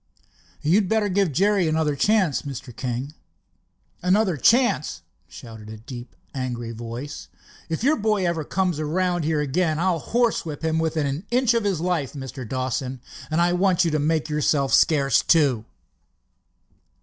"You'd better give Jerry another chance, Mr. King." "Another chance?" shouted a deep angry voice. "If your boy ever comes around here again I'll horsewhip him within an inch of his life, Mr. Dawson, and I want you to make yourself scarce, too!"